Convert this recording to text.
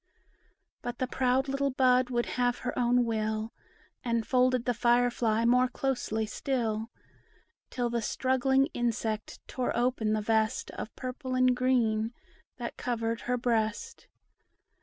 But the proud little bud would have her own will, And folded the fire fly more closely still; Till the struggling insect tore open the vest Of purple and green, that covered her breast.